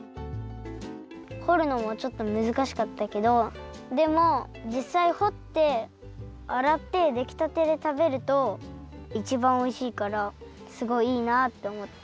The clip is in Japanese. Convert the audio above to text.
ほるのもちょっとむずかしかったけどでもじっさいほってあらってできたてでたべるといちばんおいしいからすごいいいなとおもった。